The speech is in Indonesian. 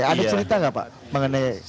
ada cerita nggak pak